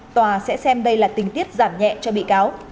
tòa sẽ xem đây là tình tiết giảm nhẹ cho bị cáo